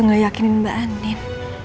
gak yakinin mbak andin